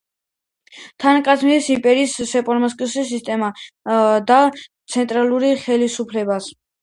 განამტკიცებდა იმპერიის საეპისკოპოსო სისტემას და ცენტრალურ ხელისუფლებას.